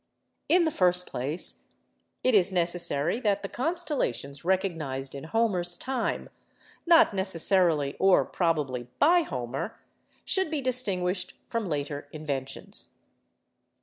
In the first place, it is necessary that the constellations recognised in Homer's time (not necessarily, or probably, by Homer) should be distinguished from later inventions.